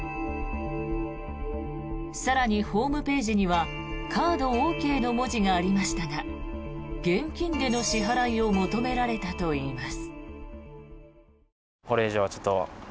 更に、ホームページにはカードＯＫの文字がありましたが現金での支払いを求められたといいます。